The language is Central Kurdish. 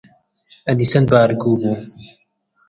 ئەدی چەند بار گوو بوو؟